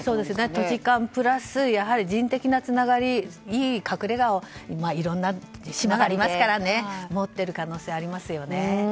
土地勘プラス人的なつながりいい隠れ家をいろんな島がありますからね持っている可能性がありますね。